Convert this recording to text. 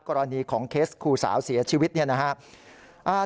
กรณีของเคสครูสาวเสียชีวิตเนี่ยนะครับ